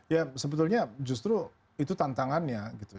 ya sebetulnya justru itu tantangannya gitu